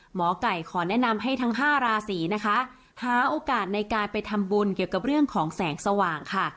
หมอไก่ขอแนะนำให้ทั้ง๕ราศีนะคะหาโอกาสในการไปทำบุญเกี่ยวกับเรื่องของแสงสว่างค่ะ